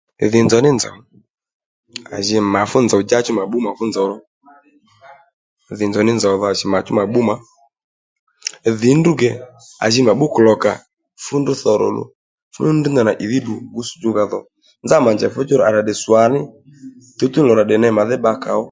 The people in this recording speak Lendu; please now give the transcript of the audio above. Dhì nzòw ní nzòw à jì mà fú nzòw djá mà bbú mà fú nzòw ró dhì nzòw ní nzòw dho à jì mà chú mà bbú mà dhì ní ndrǔ ke à ji ma bbú kulokà fúndrú dho ro luw ndaní ndrǔ ndrŕ ndanà ìdhí ddiy bbǔsdjú nga dhò nzá mà njèy fǔchú ro à rà tdè swaní tuwtuw ní lò rà tdè ney màdhí bbakà ó